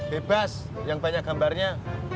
bebas yang banyak gambarnya